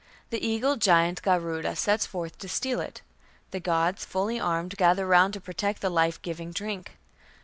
The eagle giant Garuda sets forth to steal it. The gods, fully armed, gather round to protect the life giving drink.